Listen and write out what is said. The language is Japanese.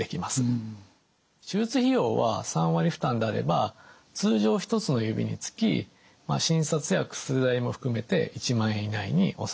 手術費用は３割負担であれば通常１つの指につき診察や薬代も含めて１万円以内に収まります。